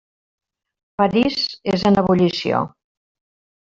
París és en ebullició.